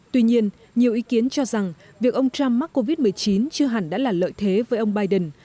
tuy nhiên nhiều ý kiến cho rằng việc ông trump mắc covid một mươi chín chưa hẳn đã là lợi thế với ông biden